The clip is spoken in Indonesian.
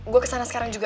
gue kesana sekarang juga